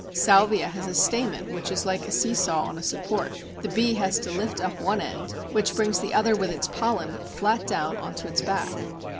Salvia has a stamen which is like a see saw on a support; the bee has to lift up one end, which brings the other with its pollen flat down on to its back.